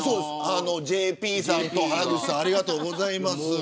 ＪＰさんと原口さんありがとうございます。